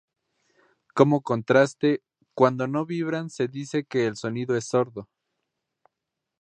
Como contraste, cuando no vibran se dice que el sonido es sordo.